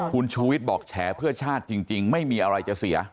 คุณชูวิทย์บอกแฉเพื่อชาติจริงไม่มีอะไรจะเสีย